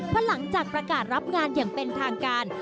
เพราะหลังจากประกาศรับงานอย่างเป็นทางการ